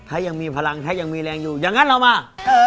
ถ้ายังมีพลังถ้ายังมีแรงอยู่อย่างนั้นเรามา